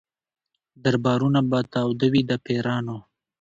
دربارونه به تاوده وي د پیرانو